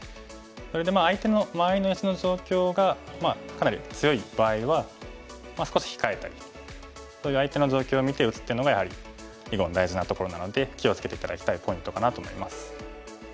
それで相手の周りの石の状況がかなり強い場合は少し控えたりそういう相手の状況を見て打つっていうのがやはり囲碁の大事なところなので気を付けて頂きたいポイントかなと思います。